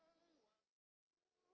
bagaimana kita bisa membuatnya